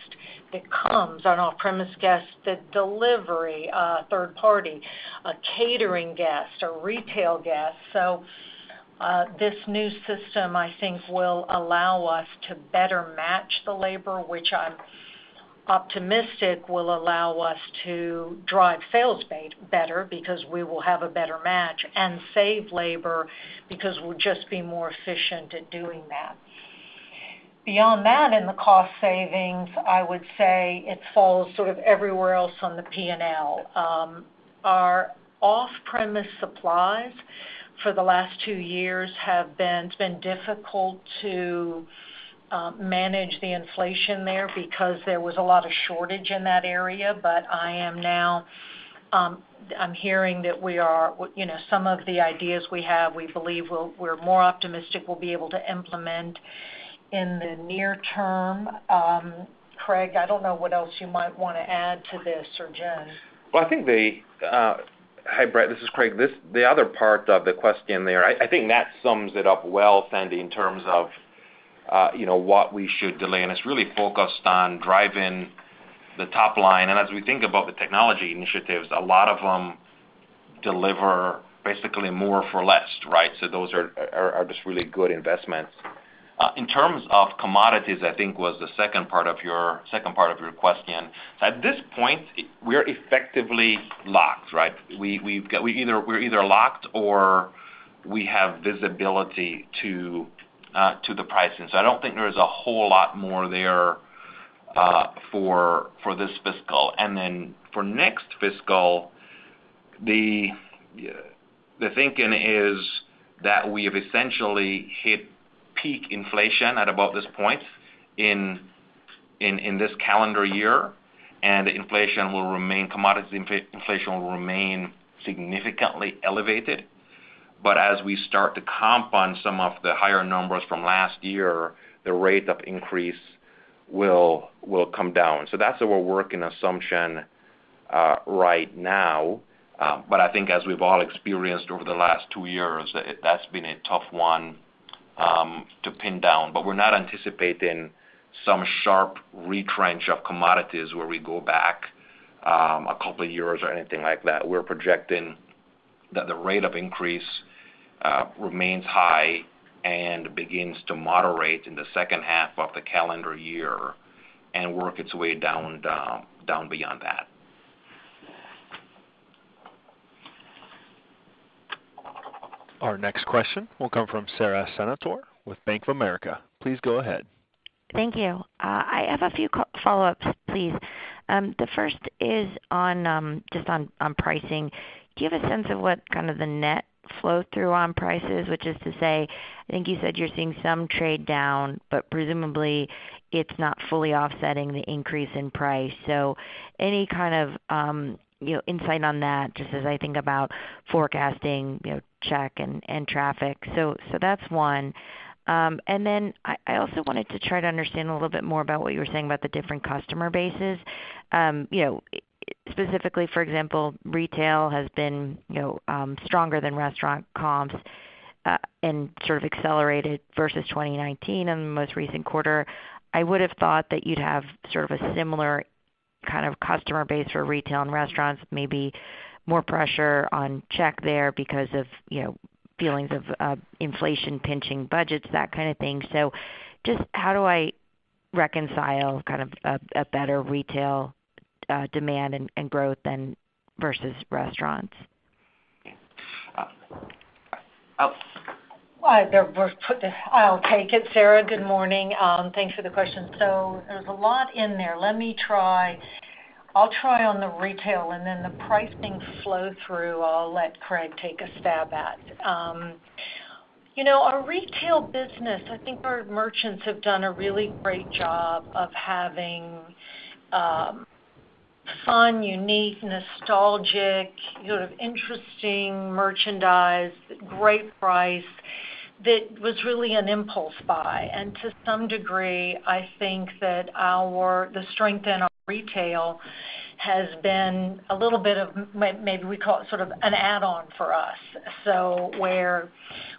C: that comes, an off-premise guest that delivers via a third party, a catering guest, a retail guest. This new system, I think, will allow us to better match the labor, which I'm optimistic will allow us to drive sales better because we will have a better match and save labor because we'll just be more efficient at doing that. Beyond that, in the cost savings, I would say it falls sort of everywhere else on the P&L. Our off-premise supplies for the last two years have been. It's been difficult to manage the inflation there because there was a lot of shortage in that area. I am now, I'm hearing that we are, you know, some of the ideas we have, we believe we're more optimistic we'll be able to implement in the near term. Craig, I don't know what else you might wanna add to this, or Jen.
D: Well, I think the. Hi, Brett. This is Craig. The other part of the question there, I think that sums it up well, Sandy, in terms of you know, what we should delay, and it's really focused on driving the top line. As we think about the technology initiatives, a lot of them deliver basically more for less, right? So those are just really good investments. In terms of commodities, I think was the second part of your question. At this point, we're effectively locked, right? We're either locked or we have visibility to the pricing. So I don't think there is a whole lot more there for this fiscal. Then for next fiscal, the thinking is that we have essentially hit peak inflation at about this point in this calendar year, and commodity inflation will remain significantly elevated. As we start to compound some of the higher numbers from last year, the rate of increase will come down. That's our working assumption right now. I think as we've all experienced over the last two years, that's been a tough one to pin down. We're not anticipating some sharp retrench of commodities where we go back a couple of years or anything like that. We're projecting that the rate of increase remains high and begins to moderate in the second half of the calendar year and work its way down beyond that.
A: Our next question will come from Sara Senatore with Bank of America. Please go ahead.
K: Thank you. I have a few quick follow-ups, please. The first is on just on pricing. Do you have a sense of what kind of the net flow through on prices, which is to say, I think you said you're seeing some trade down, but presumably it's not fully offsetting the increase in price. So any kind of, you know, insight on that, just as I think about forecasting, you know, check and traffic. So that's one. And then I also wanted to try to understand a little bit more about what you were saying about the different customer bases. You know, specifically, for example, retail has been, you know, stronger than restaurant comps and sort of accelerated versus 2019 in the most recent quarter. I would have thought that you'd have sort of a similar kind of customer base for retail and restaurants, maybe more pressure on check there because of, you know, feelings of inflation pinching budgets, that kind of thing. Just how do I reconcile kind of a better retail demand and growth than versus restaurants?
D: Oh.
C: I'll take it, Sarah. Good morning. Thanks for the question. There's a lot in there. Let me try. I'll try on the retail, and then the pricing flow through, I'll let Craig take a stab at. You know, our retail business, I think our merchants have done a really great job of having, fun, unique, nostalgic, sort of interesting merchandise, great price that was really an impulse buy. And to some degree, I think that our the strength in our retail has been a little bit of maybe we call it sort of an add-on for us.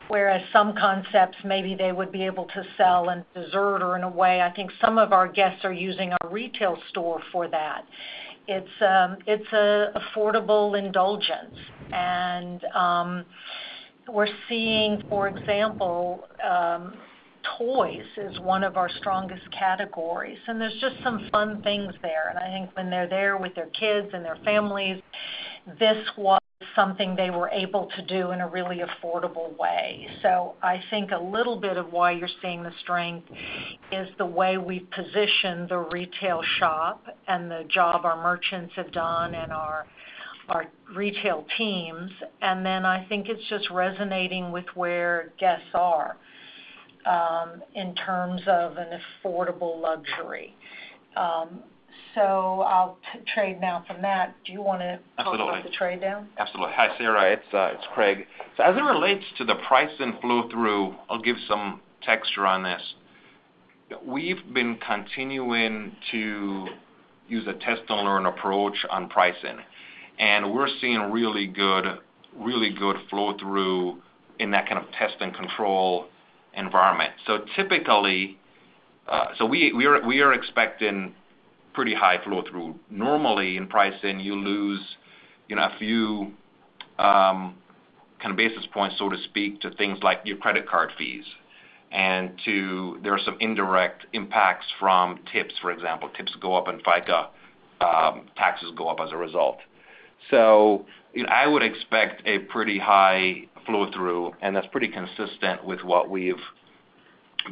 C: Whereas some concepts, maybe they would be able to sell in dessert or in a way, I think some of our guests are using our retail store for that. It's an affordable indulgence. We're seeing, for example, toys is one of our strongest categories, and there's just some fun things there. I think when they're there with their kids and their families, this was something they were able to do in a really affordable way. I think a little bit of why you're seeing the strength is the way we position the retail shop and the job our merchants have done and our retail teams. I think it's just resonating with where guests are in terms of an affordable luxury. I'll turn now from that. Do you wanna-
D: Absolutely.
C: Talk about the trade down?
D: Absolutely. Hi, Sarah. It's Craig. As it relates to the pricing flow through, I'll give some texture on this. We've been continuing to use a test and learn approach on pricing, and we're seeing really good flow through in that kind of test and control environment. Typically, we are expecting pretty high flow through. Normally in pricing, you lose, you know, a few kind of basis points, so to speak, to things like your credit card fees and there are some indirect impacts from tips, for example. Tips go up and FICA taxes go up as a result. You know, I would expect a pretty high flow through, and that's pretty consistent with what we've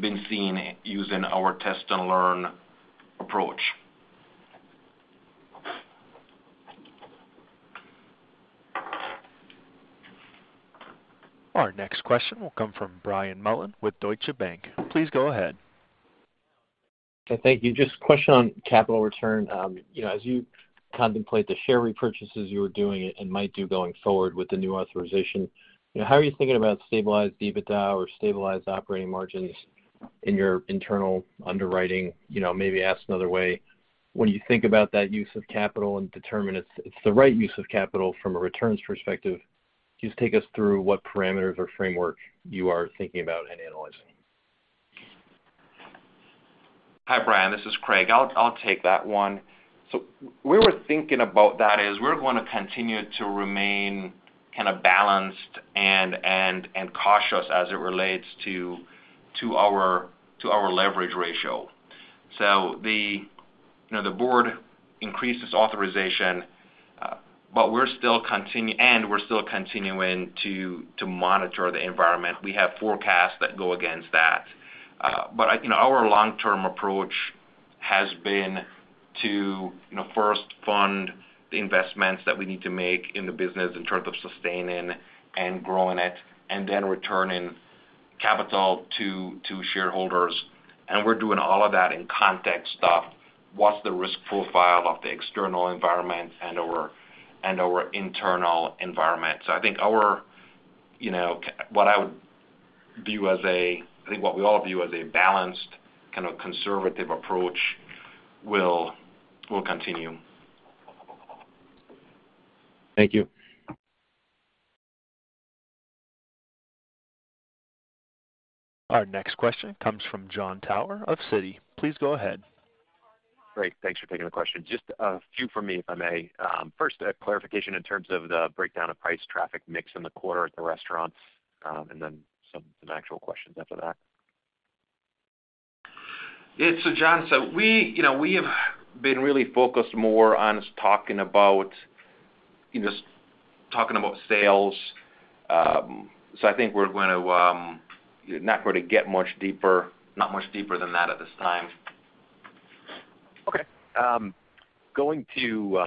D: been seeing using our test and learn approach.
A: Our next question will come from Brian Mullan with Deutsche Bank. Please go ahead.
L: Thank you. Just a question on capital return. As you contemplate the share repurchases you were doing and might do going forward with the new authorization, you know, how are you thinking about stabilized EBITDA or stabilized operating margins in your internal underwriting? You know, maybe asked another way, when you think about that use of capital and determine it's the right use of capital from a returns perspective. Just take us through what parameters or framework you are thinking about and analyzing.
D: Hi, Brian, this is Craig. I'll take that one. We were thinking about that. We're gonna continue to remain kind of balanced and cautious as it relates to our leverage ratio. The board increased its authorization, but we're still continuing to monitor the environment. We have forecasts that go against that. Our long-term approach has been to first fund the investments that we need to make in the business in terms of sustaining and growing it, and then returning capital to shareholders. We're doing all of that in context of what's the risk profile of the external environment and our internal environment. I think, you know, what I would view as a... I think what we all view as a balanced kind of conservative approach will continue.
L: Thank you.
A: Our next question comes from Jon Tower of Citi. Please go ahead.
M: Great. Thanks for taking the question. Just a few from me, if I may. First a clarification in terms of the breakdown of price traffic mix in the quarter at the restaurants, and then some actual questions after that.
D: Jon, you know, we have been really focused more on talking about sales. I think we're not going to get much deeper than that at this time.
M: Okay. Going to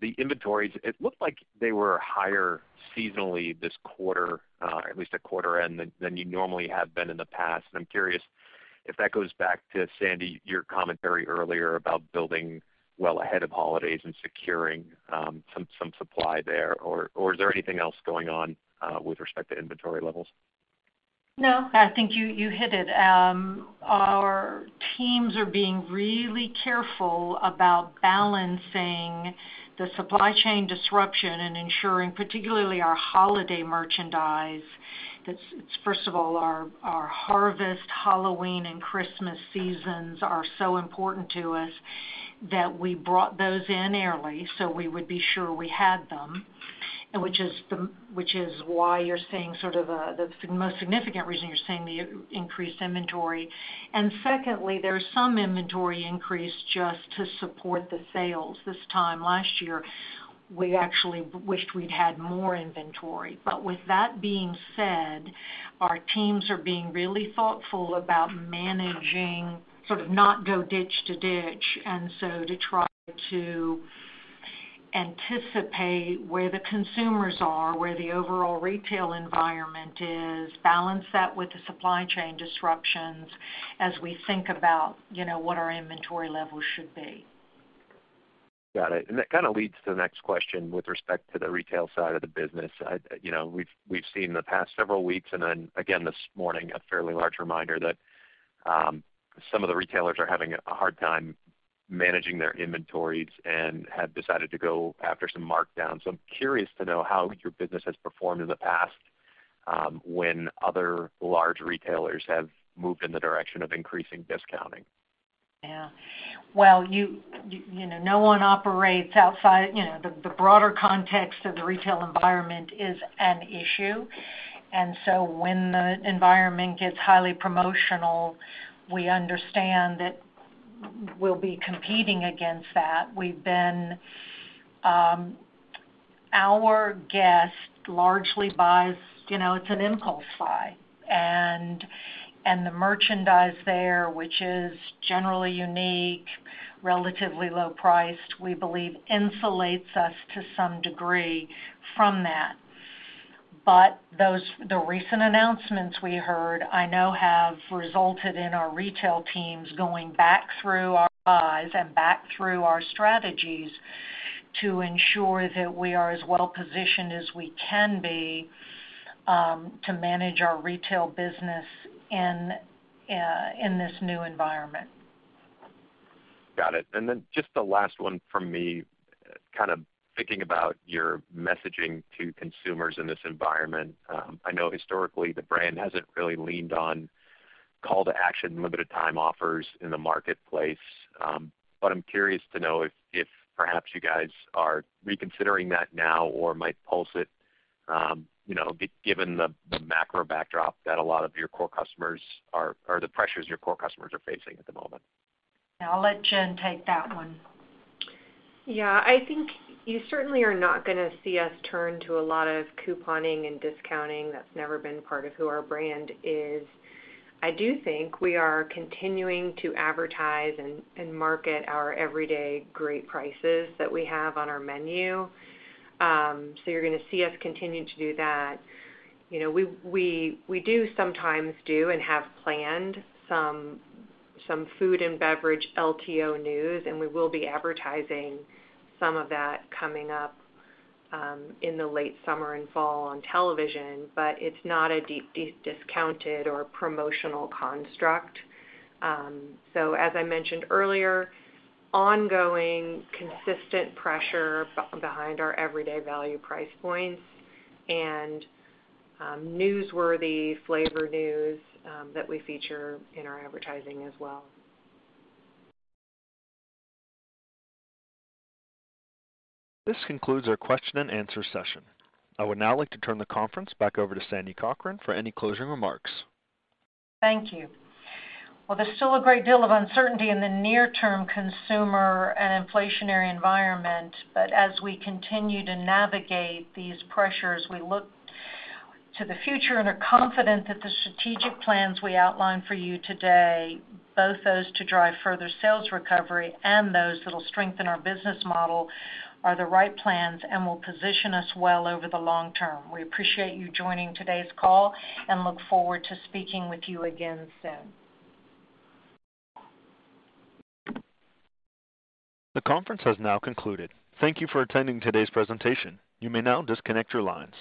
M: the inventories. It looked like they were higher seasonally this quarter, at least at quarter end than you normally have been in the past. I'm curious if that goes back to, Sandy, your commentary earlier about building well ahead of holidays and securing some supply there, or is there anything else going on with respect to inventory levels?
C: No, I think you hit it. Our teams are being really careful about balancing the supply chain disruption and ensuring particularly our holiday merchandise. That's first of all, our harvest, Halloween, and Christmas seasons are so important to us that we brought those in early, so we would be sure we had them, which is why you're seeing the most significant reason you're seeing the increased inventory. Secondly, there's some inventory increase just to support the sales. This time last year, we actually wished we'd had more inventory. With that being said, our teams are being really thoughtful about managing, sort of not go ditch to ditch, and so to try to anticipate where the consumers are, where the overall retail environment is, balance that with the supply chain disruptions as we think about, you know, what our inventory levels should be.
M: Got it. That kinda leads to the next question with respect to the retail side of the business. You know, we've seen the past several weeks, and then again this morning, a fairly large reminder that some of the retailers are having a hard time managing their inventories and have decided to go after some markdowns. I'm curious to know how your business has performed in the past when other large retailers have moved in the direction of increasing discounting.
C: Yeah. Well, you know, no one operates outside, you know, the broader context of the retail environment is an issue. When the environment gets highly promotional, we understand that we'll be competing against that. Our guests largely buy, you know, it's an impulse buy. The merchandise there, which is generally unique, relatively low priced, we believe insulates us to some degree from that. Those recent announcements we heard, I know, have resulted in our retail teams going back through our buys and back through our strategies to ensure that we are as well positioned as we can be to manage our retail business in this new environment.
M: Got it. Then just the last one from me, kind of thinking about your messaging to consumers in this environment. I know historically the brand hasn't really leaned on call to action, limited time offers in the marketplace. I'm curious to know if perhaps you guys are reconsidering that now or might pulse it, you know, given the macro backdrop that a lot of your core customers are or the pressures your core customers are facing at the moment.
C: I'll let Jen take that one.
E: Yeah. I think you certainly are not gonna see us turn to a lot of couponing and discounting. That's never been part of who our brand is. I do think we are continuing to advertise and market our everyday great prices that we have on our menu. You're gonna see us continue to do that. You know, we sometimes do and have planned some food and beverage LTO news, and we will be advertising some of that coming up in the late summer and fall on television. It's not a deep discounted or promotional construct. As I mentioned earlier, ongoing consistent pressure behind our everyday value price points and newsworthy flavor news that we feature in our advertising as well.
A: This concludes our question and answer session. I would now like to turn the conference back over to Sandy Cochran for any closing remarks.
C: Thank you. Well, there's still a great deal of uncertainty in the near-term consumer and inflationary environment. As we continue to navigate these pressures, we look to the future and are confident that the strategic plans we outlined for you today, both those to drive further sales recovery and those that'll strengthen our business model are the right plans and will position us well over the long term. We appreciate you joining today's call and look forward to speaking with you again soon.
A: The conference has now concluded. Thank you for attending today's presentation. You may now disconnect your lines.